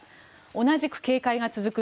同じく警戒が続く